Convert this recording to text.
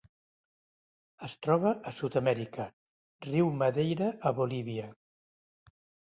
Es troba a Sud-amèrica: riu Madeira a Bolívia.